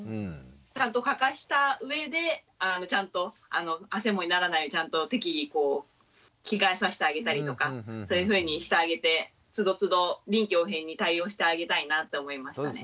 ちゃんとかかした上でちゃんとあせもにならないようにちゃんと適宜着替えさしてあげたりとかそういうふうにしてあげてつどつど臨機応変に対応してあげたいなって思いましたね。